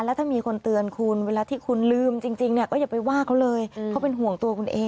แล้วถ้ามีคนเตือนคุณเวลาที่คุณลืมจริงเนี่ยก็อย่าไปว่าเขาเลยเขาเป็นห่วงตัวคุณเอง